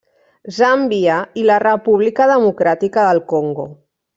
Zàmbia i la República Democràtica del Congo.